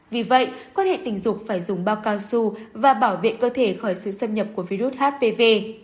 vì vậy quan hệ tình dục phải dùng bao cao su và bảo vệ cơ thể khỏi sự xâm nhập của virus hpv